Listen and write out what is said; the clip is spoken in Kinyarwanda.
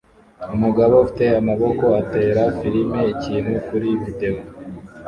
Umugabo ufite amaboko atera firime ikintu kuri videwo